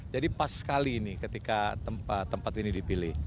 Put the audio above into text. jadi pas sekali ini ketika tempat ini dipilih